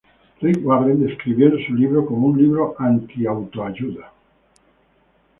Rick Warren describió su libro como un "libro anti-autoayuda".